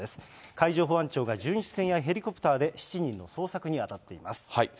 海上保安庁が巡視船やヘリコプターで７人の捜索に当たっています。